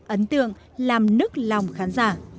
ấn tượng làm nức lòng khán giả